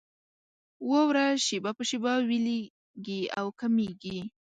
واوره شېبه په شېبه ويلېږي او کمېږي.